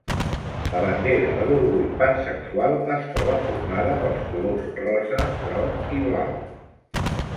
La bandera de l'orgull pansexual, es troba formada pels colors rosa, groc, i blau.